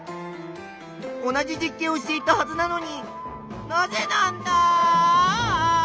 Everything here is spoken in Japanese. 同じ実験をしていたはずなのになぜなんだ！